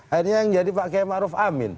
akhirnya yang jadi pak km arof amin